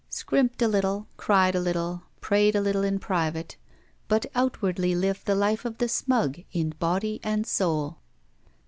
Scrimped a little, cried a little, prayed a little in private, but out wardly lived the life of the smug in body and soul.